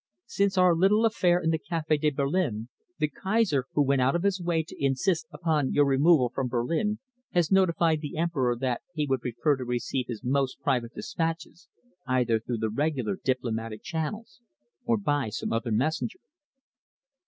Since our little affair in the Café de Berlin, the Kaiser, who went out of his way to insist upon your removal from Berlin, has notified the Emperor that he would prefer to receive his most private dispatches either through the regular diplomatic channels or by some other messenger."